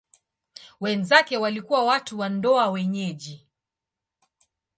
Wenzake walikuwa watu wa ndoa wenyeji.